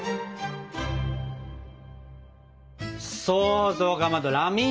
そうそうかまどラミントン！